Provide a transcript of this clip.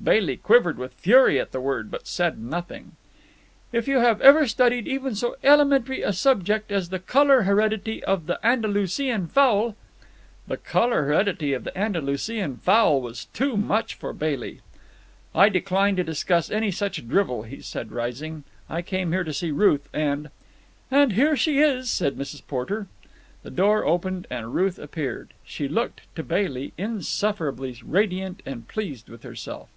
Bailey quivered with fury at the word, but said nothing. "If you have ever studied even so elementary a subject as the colour heredity of the Andalusian fowl——" The colour heredity of the Andalusian fowl was too much for Bailey. "I decline to discuss any such drivel," he said, rising. "I came here to see Ruth, and—" "And here she is," said Mrs. Porter. The door opened, and Ruth appeared. She looked, to Bailey, insufferably radiant and pleased with herself.